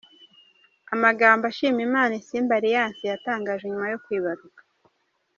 Amagambo ashimira Imana Isimbi Alliance yatangaje nyuma yo kwibaruka.